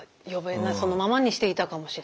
そのままにしていたかもしれない。